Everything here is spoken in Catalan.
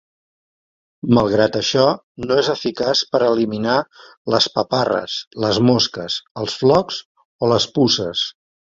Malgrat això, no és eficaç per eliminar les paparres, les mosques, els flocs o les puces.